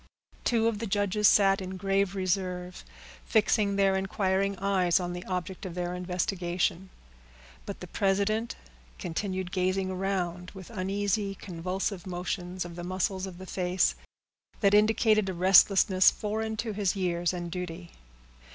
Two of the judges sat in grave reserve, fixing their inquiring eyes on the object of their investigation; but the president continued gazing around with uneasy, convulsive motions of the muscles of the face, that indicated a restlessness foreign to his years and duty.